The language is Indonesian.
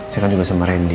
saya kan juga sama randy